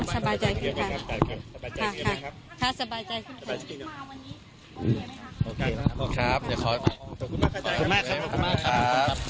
สบายใจครับ